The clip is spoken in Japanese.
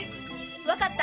わかった。